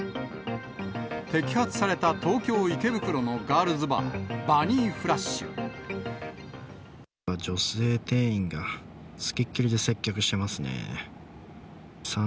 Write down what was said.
摘発された東京・池袋のガールズバー、女性店員が、付きっきりで接客してますね。